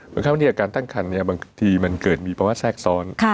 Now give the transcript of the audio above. บางครั้งวันนี้อาการตั้งคันบางทีมันเกิดมีประวัติแทรกซ้อน